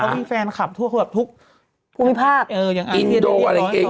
แต่เขามีแฟนคลับทั่วแบบทุกอินโดอะไรเก่ง